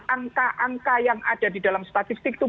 angka angka yang ada di dalam statistik itu